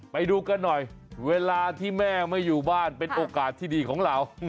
ไปดูกันหน่อยเวลาที่แม่ไม่อยู่บ้านเป็นโอกาสที่ดีของเรา